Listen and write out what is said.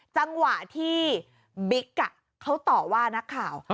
จังหวะที่บิ๊กเขาต่อว่านักข่าว